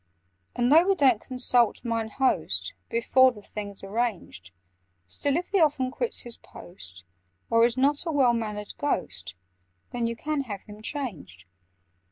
"And, though we don't consult 'Mine Host' Before the thing's arranged, Still, if he often quits his post, Or is not a well mannered Ghost, Then you can have him changed.